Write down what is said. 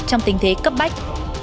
trong tình thế cấp bách